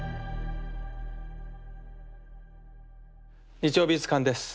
「日曜美術館」です。